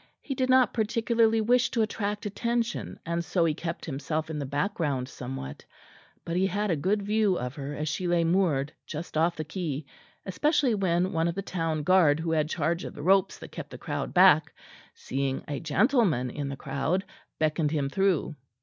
He did not particularly wish to attract attention, and so he kept himself in the background somewhat; but he had a good view of her as she lay moored just off the quay, especially when one of the town guard who had charge of the ropes that kept the crowd back, seeing a gentleman in the crowd, beckoned him through.